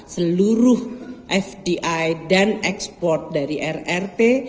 seluruh fdi dan ekspor dari rrt